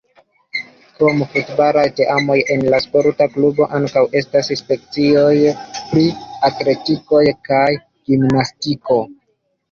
Krom futbalaj teamoj en la sporta klubo ankaŭ estas sekcioj pri atletiko kaj gimnastiko.